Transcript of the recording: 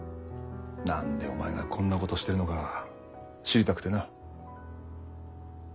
何でお前がこんなことしてるのか知りたくてな。